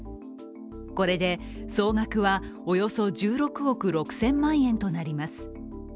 これで総額はおよそ１６億６０００万円となります。